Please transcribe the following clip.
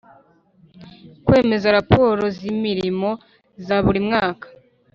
Kwemeza raporo z imirimo za buri mwaka